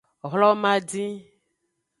Hlomadin.